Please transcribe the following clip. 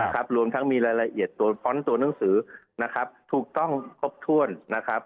รวมทั้งมีรายละเอียดตัวฟ้อนต์ตัวหนังสือนะครับถูกต้องครบถ้วนนะครับ